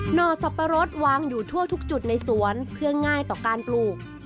ห่อสับปะรดวางอยู่ทั่วทุกจุดในสวนเพื่อง่ายต่อการปลูก